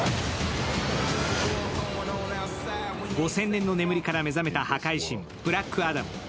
５０００年の眠りから目覚めた破壊神、ブラックアダム。